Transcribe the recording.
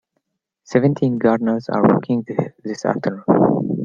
Seventeen gardeners are working this afternoon.